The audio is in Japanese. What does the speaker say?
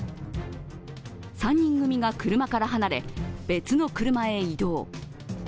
３人組が車から離れ別の車へ移動。